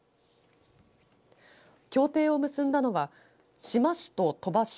協定を結んだのは志摩市と鳥羽市